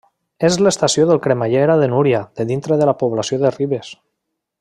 És l'estació del cremallera de Núria de dintre de la població de Ribes.